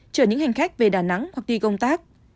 chở những hành khách về đà nẵng hoặc đi công tác